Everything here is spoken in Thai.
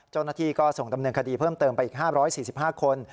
เจ้าหน้าที่ก็ส่งดำเนินคดีเพิ่มเติมไปอีก๕๔๕คน